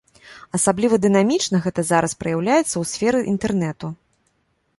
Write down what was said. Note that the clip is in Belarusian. Асабліва дынамічна гэта зараз праяўляецца ў сферы інтэрнэту.